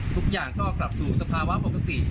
ทุกอย่างก็กลับสู่สภาวะปกติ